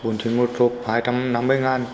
bốn mươi chín là một hộp hai trăm năm mươi ngàn